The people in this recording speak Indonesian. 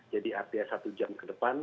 jadi artinya satu jam ke depan